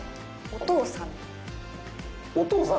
お父さん？